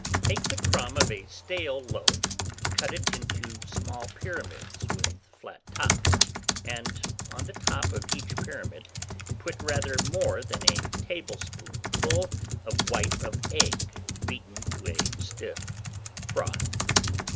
338. Take the crumb of a stale loaf, cut it into small pyramids with flat tops, and on the top of each pyramid, put rather more than a tablespoonful of white of egg beaten to a stiff froth.